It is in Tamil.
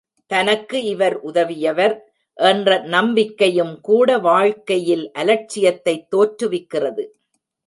தனக்கு இவர் உதவியவர் என்ற, நம்பிக்கையும் கூட வாழ்க்கையில் அலட்சியத்தைத் தோற்றுவிக்கிறது.